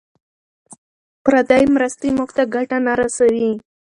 پردۍ مرستې موږ ته ګټه نه رسوي.